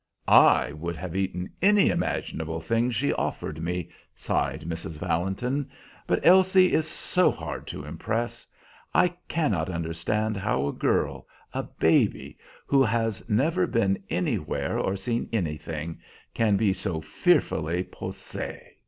"I would have eaten any imaginable thing she offered me," sighed Mrs. Valentin, "but Elsie is so hard to impress. I cannot understand how a girl, a baby, who has never been anywhere or seen anything, can be so fearfully posée.